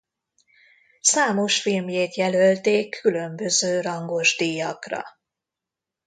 Számos filmjét jelölték különböző rangos díjakra.